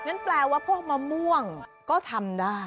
แปลว่าพวกมะม่วงก็ทำได้